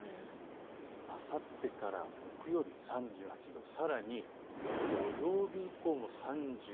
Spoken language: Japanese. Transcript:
あさってから木曜日、３８度、さらに土曜日以降も３８度。